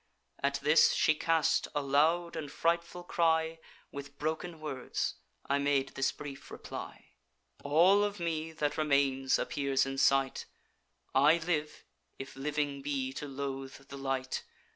At this, she cast a loud and frightful cry. With broken words I made this brief reply: 'All of me that remains appears in sight; I live, if living be to loathe the light.